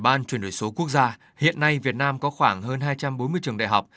ubnd truyền đổi số quốc gia hiện nay việt nam có khoảng hơn hai trăm bốn mươi trường đại học